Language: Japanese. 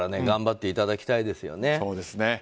頑張っていただきたいですよね。